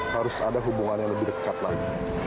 harus ada hubungan yang lebih dekat lagi